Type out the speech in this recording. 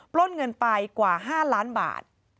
ปล้นเงินไปกว่า๕ล้านบาท